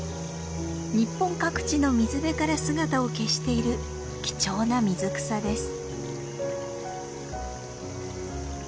日本各地の水辺から姿を消している貴重な水草です。